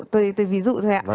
tôi ví dụ thôi ạ